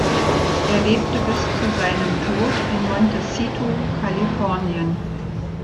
Er lebte bis zu seinem Tod in Montecito, Kalifornien.